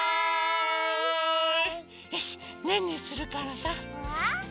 よしねんねするからさ。